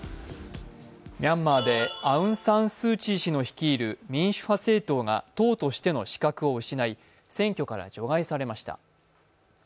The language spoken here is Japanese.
ミャンマーでアウン・サン・スー・チー氏の率いる民主派政党が党としての資格を失い、選挙から除外されました。